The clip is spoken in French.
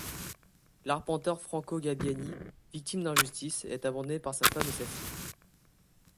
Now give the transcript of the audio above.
L'arpenteur Franco Gabbiani, victime d'injustices est abandonné par sa femme et sa fille.